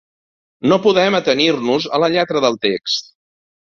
No podem atenir-nos a la lletra del text.